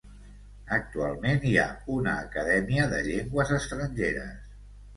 Actualment hi ha una acadèmia de llengües estrangeres.